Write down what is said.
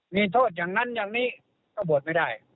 มีโทษอย่างนั้นอย่างนี้ก็บวชไม่ได้